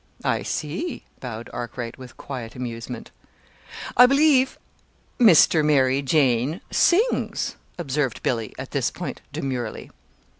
"I see," bowed Arkwright with quiet amusement. "I believe Mr. Mary Jane sings," observed Billy, at this point, demurely.